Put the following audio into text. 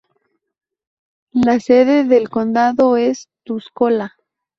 La sede del condado es Tuscola.